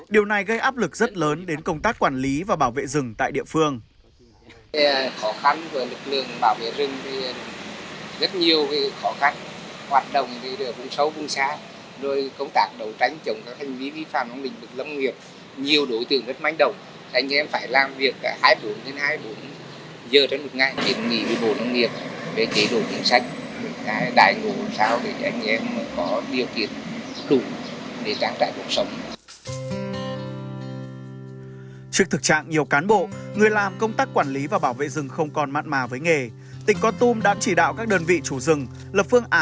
điều này gây áp lực rất lớn đến công tác quản lý và bảo vệ rừng tại địa phương